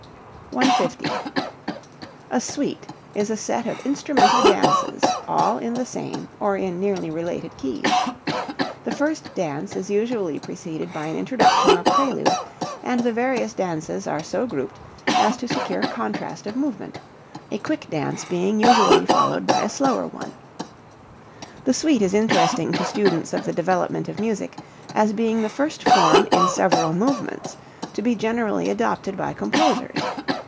150. A suite is a set of instrumental dances all in the same or in nearly related keys. The first dance is usually preceded by an introduction or prelude, and the various dances are so grouped as to secure contrast of movement a quick dance being usually followed by a slower one. The suite is interesting to students of the development of music as being the first form in several movements to be generally adopted by composers.